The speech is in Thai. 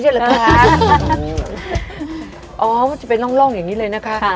อ๋อมันจะเป็นร่องอย่างนี้เลยนะคะ